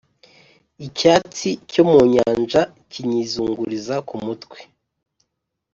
icyatsi cyo mu nyanja kinyizinguriza ku mutwe.